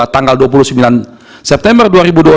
tanggal dua puluh sembilan september dua ribu dua puluh